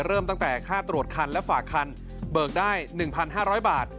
เริ่มตั้งแต่ค่าตรวจคันและฝากคันเบิกได้๑๕๐๐บาท